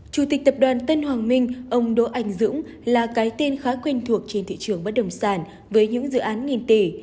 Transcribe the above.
chủ tịch tập đoàn tân hoàng minh ông đỗ anh dũng là cái tên khá quen thuộc trên thị trường bất đồng sản với những dự án nghìn tỷ